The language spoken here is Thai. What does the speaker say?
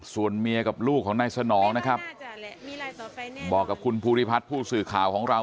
ส่วนเมียกับลูกของนายสนองนะครับบอกกับคุณภูริพัฒน์ผู้สื่อข่าวของเรา